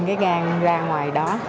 tìm cái gan ra ngoài đó